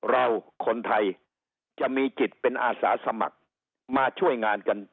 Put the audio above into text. เราคนไทยจะมีจิตเป็นอาสาสมัครมาช่วยงานกัน